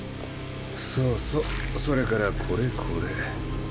そうそうそれからこれこれ。